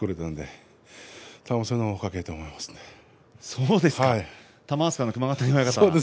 そうですね。